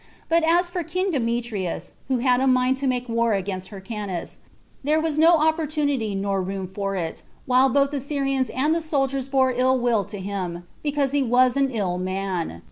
But as for king Demetrius, who had a mind to make war against Hyrcanus, there was no opportunity nor room for it, while both the Syrians and the soldiers bare ill will to him, because he was an ill man.